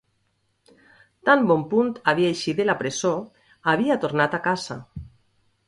Tan bon punt havia eixit de la presó, havia tornat a casa.